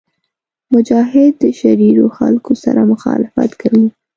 مجاهد د شریرو خلکو سره مخالفت کوي.